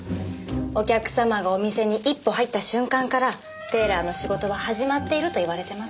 お客様がお店に一歩入った瞬間からテーラーの仕事は始まっているといわれてます。